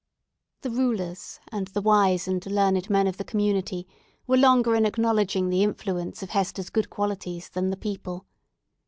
The rulers, and the wise and learned men of the community, were longer in acknowledging the influence of Hester's good qualities than the people.